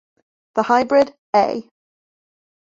The hybrid A.